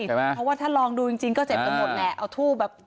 เพราะว่าถ้าลองดูจริงก็เจ็บกันหมดแหละเอาทูบแบบ